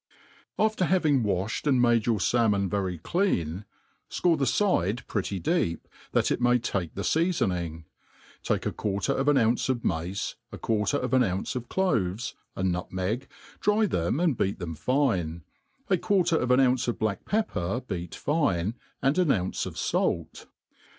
AFTER having wafted and made your falmop very clean^ (core the fide pretty deep, that it may take the feaibriing ; take Z quarter of an oui^ce of mace, a quarter of an ounce of cloves, a nutmeg, dry them and beat them fine, a quarter of an ounce of black pepper beat fine, and an oiince of fait.